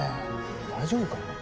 大丈夫か？